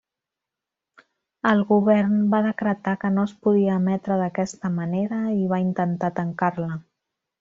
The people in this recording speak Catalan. El govern va decretar que no es podia emetre d'aquesta manera i va intentar tancar-la.